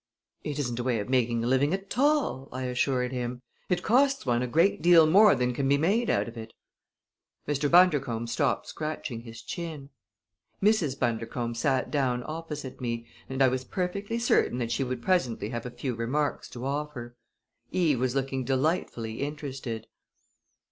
"It isn't a way of making a living at all!" I assured him. "It costs one a great deal more than can be made out of it." Mr. Bundercombe stopped scratching his chin. Mrs. Bundercombe sat down opposite me and I was perfectly certain that she would presently have a few remarks to offer. Eve was looking delightfully interested.